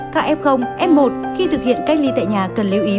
các f f một khi thực hiện cách ly tại nhà cần lưu ý